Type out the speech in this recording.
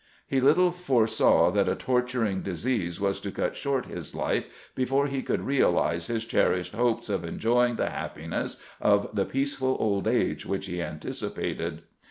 He little foresaw that a torturing disease was to cut short his life before he could realize his cherished hopes of enjoying the happiness of the peaceful old age which he anticipated.